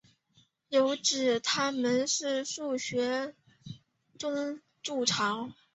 有指它们是在树穴中筑巢。